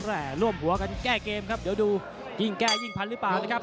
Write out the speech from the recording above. ร่วมหัวกันแก้เกมครับเดี๋ยวดูยิ่งแก้ยิ่งพันหรือเปล่านะครับ